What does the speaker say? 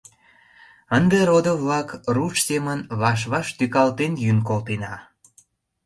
— Ынде, родо-влак, руш семын ваш-ваш тӱкалтен йӱын колтена!